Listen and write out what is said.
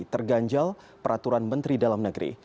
terganjal peraturan menteri dalam negeri